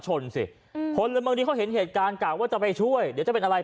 ชนสิอืมคนละเมืองดีเขาเห็นเหตุการณ์กล่ายว่าจะไปช่วยเต็มเป็นอะไร